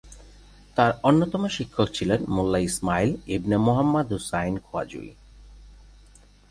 তার অন্যতম শিক্ষক ছিলেন মোল্লা ইসমাইল ইবনে মুহাম্মদ হুসাইন খোয়াজুই।